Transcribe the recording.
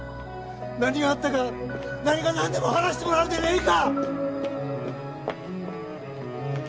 何があったか何が何でも話してもらうでねいいか！